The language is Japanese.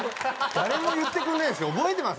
誰も言ってくれないんですけど覚えてます？